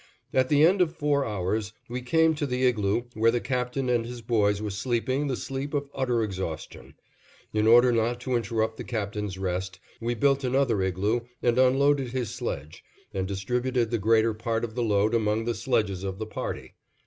At the end of four hours, we came to the igloo where the Captain and his boys were sleeping the sleep of utter exhaustion. In order not to interrupt the Captain's rest, we built another igloo and unloaded his sledge, and distributed the greater part of the load among the sledges of the party.